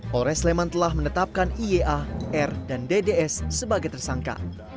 polres sleman telah menetapkan iea r dan dds sebagai tersangka